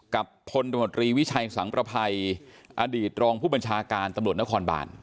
พลตมตรีวิชัยสังประภัยอดีตรองผู้บัญชาการตำรวจนครบาน